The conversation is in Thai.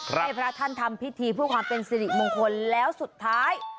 ให้พระท่านทำพิธีเพื่อความเป็นสิริมงคลแล้วสุดท้าย